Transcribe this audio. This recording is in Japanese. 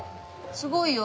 すごいよ。